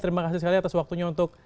terima kasih sekali atas waktunya untuk